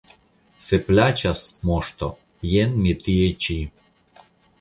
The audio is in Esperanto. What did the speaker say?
Se plaĉas, Moŝto, jen mi tie ĉi.